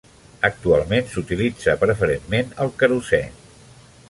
Actualment s'utilitza preferentment el querosè.